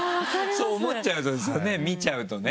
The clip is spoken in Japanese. そう思っちゃうと見ちゃうとね。